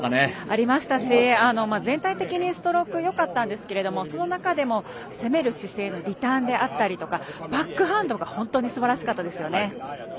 ありましたし全体的にストロークよかったんですけれどもその中でも攻める姿勢のリターンであったりとかバックハンドが本当にすばらしかったですよね。